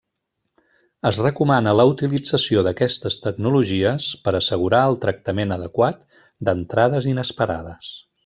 Es recomana la utilització d'aquestes tecnologies per assegurar el tractament adequat d'entrades inesperades.